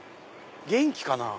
元気かな。